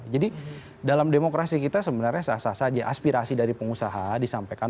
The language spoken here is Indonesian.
jadi dalam demokrasi kita sebenarnya sah sah saja aspirasi dari pengusaha disampaikan